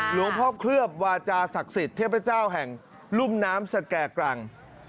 หลวงพ่อเคลือบวาจาศักดิ์สิทธิ์เทพเจ้าแห่งรุ่มน้ำสแก่กรัง